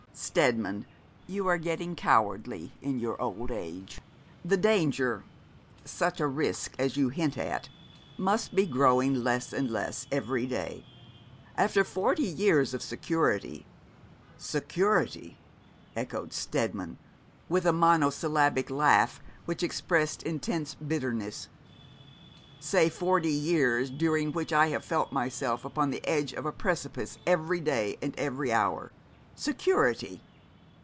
'Steadman, you are getting cowardly in your old age. The danger such a risk as you hint at, must be growing less and less every day. After forty years of security ' 'Security' echoed Steadman, with a monosyllabic laugh which expressed intense bitterness. 'Say forty years during which I have felt myself upon the edge of a precipice every day and every hour. Security!